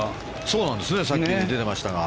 さっき出てましたが。